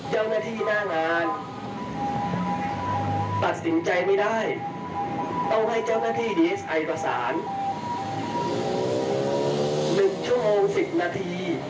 ๑ชั่วโมง๑๐นาที